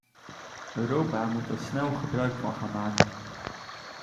Europa moet daar snel gebruik van gaan maken.